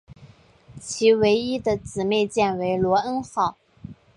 其唯一的姊妹舰为罗恩号。